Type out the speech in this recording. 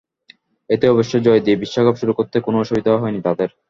এতে অবশ্য জয় দিয়ে বিশ্বকাপ শুরু করতে কোনো অসুবিধা হয়নি তাদের।